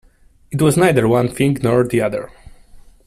It was neither one thing nor the other.